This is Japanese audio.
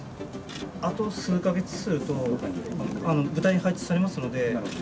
あと数か月すると部隊に配置されますので。